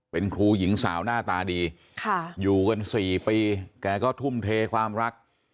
เป็นครูหญิงสาวหน้าตาดีอยู่กัน๔ปีแกก็ทุ่มเทความรัก